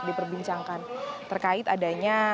diperbincangkan terkait adanya